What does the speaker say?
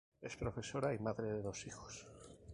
Es profesora y madre de dos hijos.